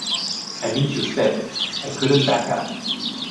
I mean to say, I couldn't back out.